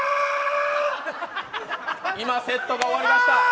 今、セットが終わりました。